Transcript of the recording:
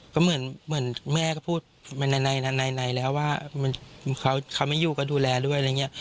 ก็เหมือนแม่ก็พูดในแล้วว่าเขาไม่อยู่ก็ดูแลด้วยอะไรอย่างนี้